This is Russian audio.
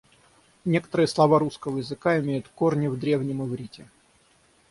Некоторые слова русского языка имеют корни в древнем иврите.